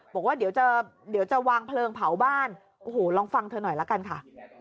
บอกว่าเดี๋ยวจะเดี๋ยวจะวางเพลิงเผาบ้านโอ้โหลองฟังเธอหน่อยละกันค่ะ